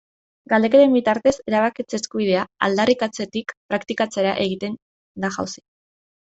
Galdeketen bitartez, erabakitze eskubidea aldarrikatzetik praktikatzera egiten da jauzi.